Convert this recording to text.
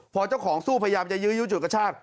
พอเจ้าของสู้พยายามจะยื้อยุจุดกระชาก